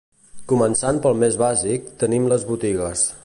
Començant pel més bàsic, tenim les botigues.